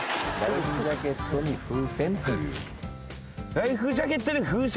ライフジャケットに風船？